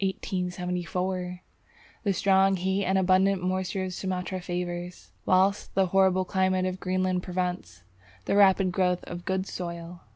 The strong heat and abundant moisture of Sumatra favours, whilst the horrible climate of Greenland prevents, the rapid growth of good soil.